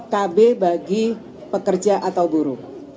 kb bagi pekerja atau buruh